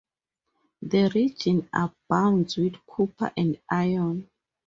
The region abounds with copper and iron.